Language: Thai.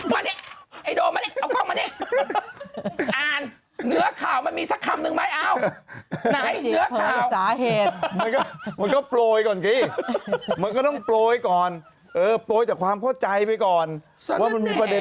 มานี่ไอ้โดมมานี่เอากล้องมานี่